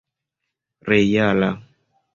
reala